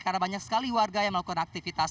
karena banyak sekali warga yang melakukan aktivitas